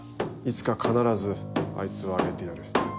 いつか必ずあいつを挙げてやる。